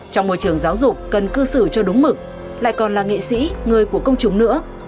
trong môi trường giáo dục cần cư xử cho đúng mực lại còn là nghệ sĩ người của công chúng nữa